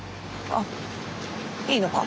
あっいいのか。